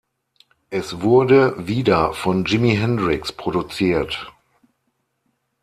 Es wurde wieder von Jimi Hendrix produziert.